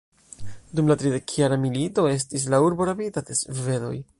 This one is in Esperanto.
Dum la tridekjara milito estis la urbo rabita de svedoj.